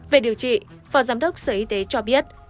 về điều trị phó giám đốc sở y tế cho biết